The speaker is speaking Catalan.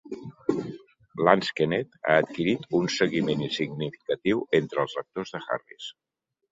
Lansquenet ha adquirit un seguiment significatiu entre els lectors de Harris.